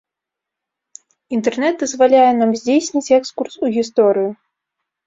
Інтэрнэт дазваляе нам здзейсніць экскурс у гісторыю.